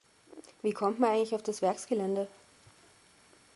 Wie kommt man eigentlich auf das Werksgelände?